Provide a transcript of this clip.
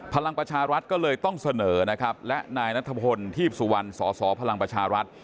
พลังประชารัฐก็เลยต้องเสนอนะครับและนายนัทพลทีพสุวรรณสสพลังประชารัฐ